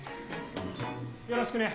よろしくね。